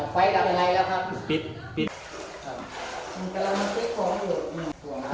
สวัสดีคุณลุง